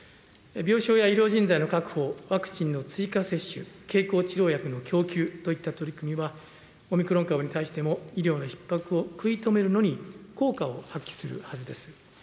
病床や医療人材の確保、ワクチンの追加接種、経口治療薬の供給といった取り組みは、オミクロン株に対しても医療のひっ迫を食い止めるのに効果を発揮するはずです。